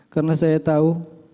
karena saya tahu